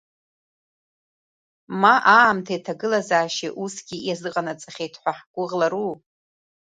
Ма аамҭеи аҭагылазаашьеи усгьы иазыҟанаҵахьеит ҳәа ҳгәыӷлару?